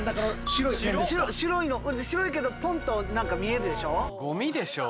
白いけどポンと何か見えるでしょ？